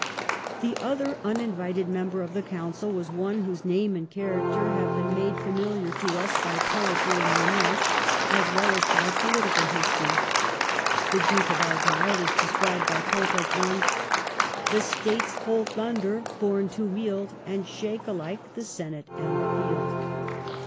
The other uninvited member of the Council was one whose name and character have been made familiar to us by poetry and romance as well as by 360 THE REIGN OF QUEEN ANNE. ch. xxxym. political history. The Duke of Argyle is described by Pope as one The State's whole thunder born to wield, And shake alike the senate and the field.